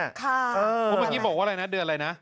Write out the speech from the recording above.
เมื่อกี้บอกว่าอะไรนะเดือนอะไรนะ